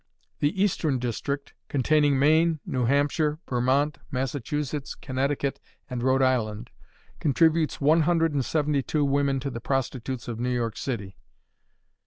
The Eastern District, containing Maine, New Hampshire, Vermont, Massachusetts, Connecticut, and Rhode Island, contributes one hundred and seventy two women to the prostitutes of New York City.